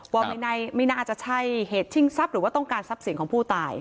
ว่าไม่น่าจะใช่เหตุชิงทรัพย์หรือว่าต้องการทรัพย์สินของผู้ตาย